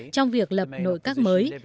trong việc lập nội các mới